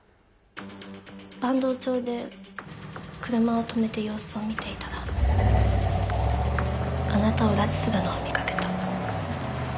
坂東町で車を止めて様子を見ていたらあなたを拉致するのを見掛けた。